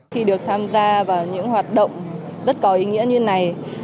khi được tham gia vào những hoạt động rất có ý nghĩa như này